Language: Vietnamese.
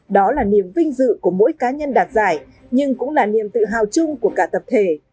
đó là niềm vinh dự của mỗi cá nhân đạt giải nhưng cũng là niềm tự hào chung của cả tập thể